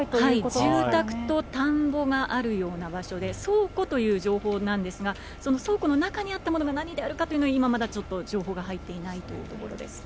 住宅と田んぼがあるような場所で、倉庫という情報なんですが、その倉庫の中にあったものが何であるかというのは、今まだちょっと情報が入っていないというところです。